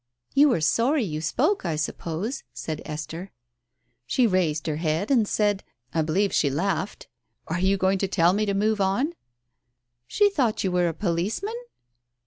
"You were sorry you spoke, I suppose," said Esther. " She raised her head and said — I believe she laughed —' Are you going to tell me to move on ?*"" She thought you were a policeman